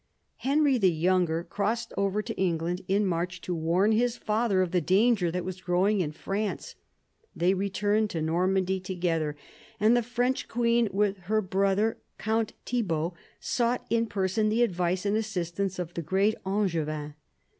Henry, the younger, crossed over to England in March to warn his father of the danger that was growing in France. They returned to Normandy together, and the French queen, with her brother, Count Thibault, sought in person the advice and assistance of the great Angevin.